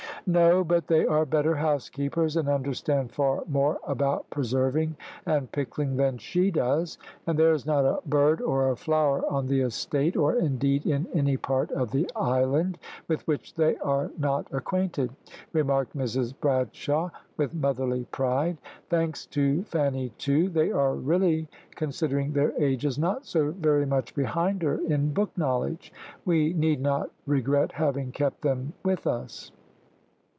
"No; but they are better housekeepers, and understand far more about preserving and pickling than she does, and there is not a bird or a flower on the estate, or, indeed, in any part of the island, with which they are not acquainted," remarked Mrs Bradshaw, with motherly pride. "Thanks to Fanny, too, they are really, considering their ages, not so very much behind her in book knowledge. We need not regret having kept them with us."